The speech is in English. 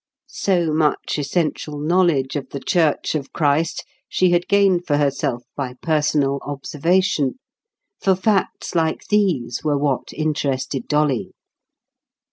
So much essential knowledge of the church of Christ she had gained for herself by personal observation; for facts like these were what interested Dolly.